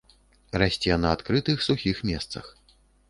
Расце на адкрытых, сухіх месцах.